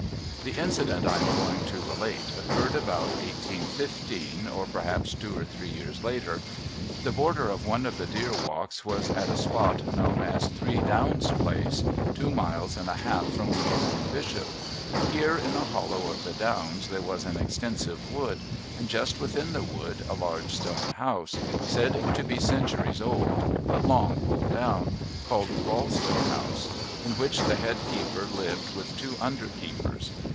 The incident I am going to relate occurred about 1815 or perhaps two or three years later. The border of one of the deer walks was at a spot known as Three Downs Place, two miles and a half from Winterbourne Bishop. Here in a hollow of the downs there was an extensive wood, and just within the wood a large stone house, said to be centuries old but long pulled down, called Rollston House, in which the head keeper lived with two under keepers.